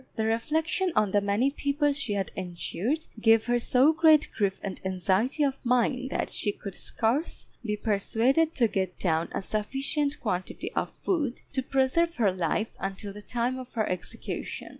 The reflection on the many people she had injured gave her so great grief and anxiety of mind that she could scarce be persuaded to get down a sufficient quantity of food to preserve her life until the time of her execution.